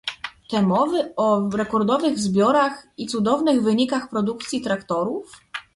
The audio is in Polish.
Te mowy o rekordowych zbiorach i cudownych wynikach produkcji traktorów?